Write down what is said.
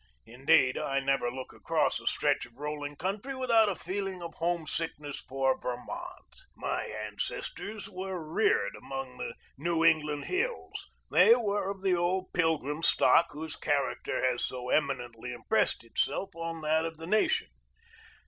Indeed, I never look across a stretch of rolling country without a feeling of home sickness for Vermont. My ancestors were reared among the New England hills. They were of the old Pilgrim stock whose character has so eminently impressed itself on that of the nation.